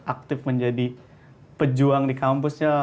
aktif menjadi pejuang di kampusnya